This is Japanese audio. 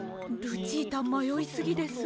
ルチータまよいすぎです。